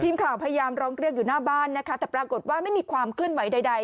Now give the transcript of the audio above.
ทีมข่าวพยายามร้องเรียกอยู่หน้าบ้านนะคะแต่ปรากฏว่าไม่มีความเคลื่อนไหวใด